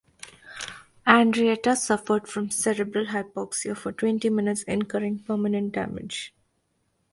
Andreatta suffered from cerebral hypoxia for twenty minutes, incurring permanent damage.